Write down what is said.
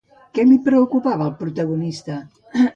Què li preocupava al protagonista?